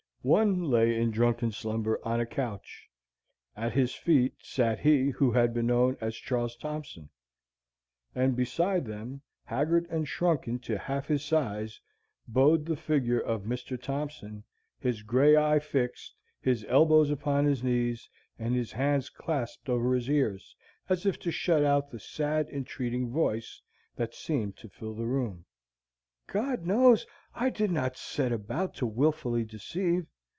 One lay in drunken slumber on a couch; at his feet sat he who had been known as Charles Thompson; and beside them, haggard and shrunken to half his size, bowed the figure of Mr. Thompson, his gray eye fixed, his elbows upon his knees, and his hands clasped over his ears, as if to shut out the sad, entreating voice that seemed to fill the room. "God knows I did not set about to wilfully deceive.